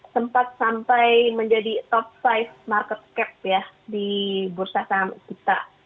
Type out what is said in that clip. sempat sampai menjadi top lima market cap ya di bursa saham kita